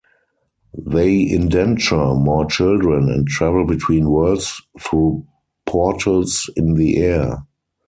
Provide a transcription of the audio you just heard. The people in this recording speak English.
They indenture more children and travel between worlds through portals in the air.